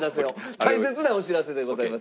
大切なお知らせでございます。